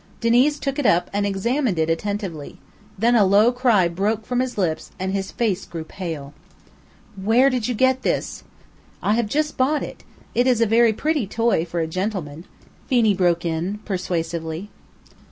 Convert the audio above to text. Diniz took it up and examined it attentively, then a low cry broke from his lips, and his face grew pale. "Where did you get this?" "I have just bought it. It is a very pretty toy for a gentleman," Phenee broke in persuasively.